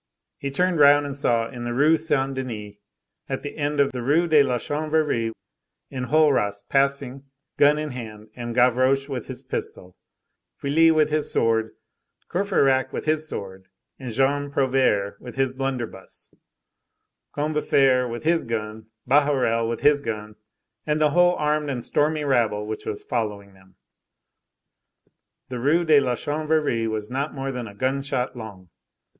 He turned round and saw in the Rue Saint Denis, at the end of the Rue de la Chanvrerie, Enjolras passing, gun in hand, and Gavroche with his pistol, Feuilly with his sword, Courfeyrac with his sword, and Jean Prouvaire with his blunderbuss, Combeferre with his gun, Bahorel with his gun, and the whole armed and stormy rabble which was following them. The Rue de la Chanvrerie was not more than a gunshot long.